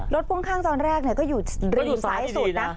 รถพ่วงข้างตอนแรกเนี้ยก็อยู่รีมซ้ายสุดนะก็อยู่ซ้ายดีดีน่ะ